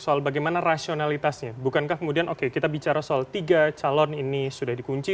soal bagaimana rasionalitasnya bukankah kemudian oke kita bicara soal tiga calon ini sudah dikunci